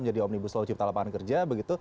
menjadi omnibus law cipta lapangan kerja